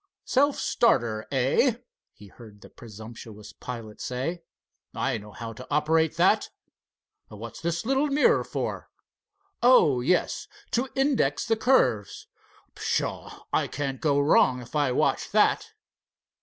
"Self starter, eh?" he heard the presumptuous pilot say. "I know how to operate that. What's this little mirror for? Oh, yes, to index the curves. Pshaw! I can't go wrong if I watch that."